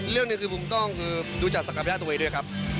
เรื่องหนึ่งคือผมต้องดูจากศักยะตัวเองด้วยครับ